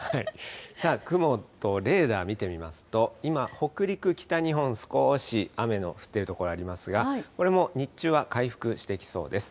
雲とレーダー見てみますと、今、北陸、北日本、少し雨の降っている所がありますが、これもう、日中は回復してきそうです。